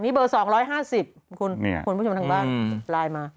นี่เบอร์๒๕๐คุณผู้ชมทางบ้านไลน์มา